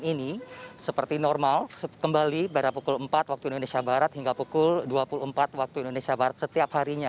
ini seperti normal kembali pada pukul empat waktu indonesia barat hingga pukul dua puluh empat waktu indonesia barat setiap harinya